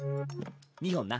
２本な。